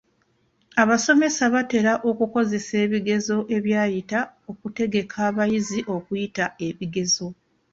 Abasomesa batera okukozesa ebigezo ebyayita okutegeka abayizi okuyita ebigezo.